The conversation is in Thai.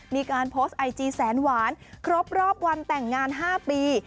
มีการโพสต์ไอจีแสนหวานครบรอบวันแต่งงาน๕ปี